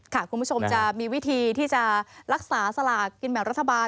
คุณผู้ชมจะมีวิธีที่จะรักษาสลากกินแบ่งรัฐบาล